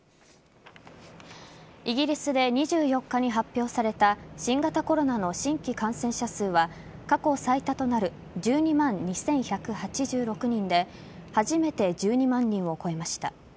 イギリスで２４日に発表された新型コロナの新規感染者数は過去最多となる１２万２１８６人で初めて１２万人を超えました。